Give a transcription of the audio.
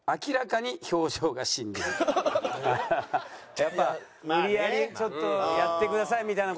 ああやっぱ無理やりちょっとやってくださいみたいな事が増えたんだ？